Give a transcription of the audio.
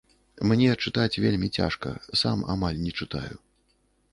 Мне чытаць вельмі цяжка, сам амаль не чытаю.